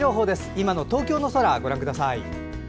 今の東京の空、ご覧ください。